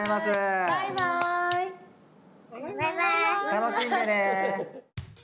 楽しんでね！